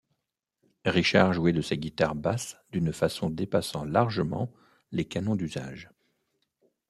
Richard jouait de sa guitare basse d'une façon dépassant largement les canons d'usage.